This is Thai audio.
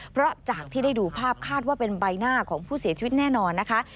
เพราะจากที่ได้ดูภาพคาดว่าเป็นใบหน้าของผู้เสียชีวิตแน่นอนนะคะ